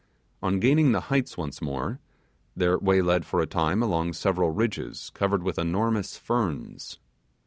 On gaining the heights once more, their way led for a time along several ridges covered with enormous ferns.